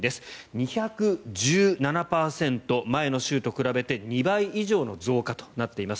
２１７％、前の週と比べて２倍以上の増加となっています。